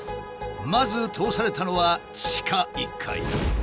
まず通されたのは地下１階。